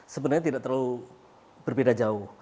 sebenarnya tidak terlalu berbeda jauh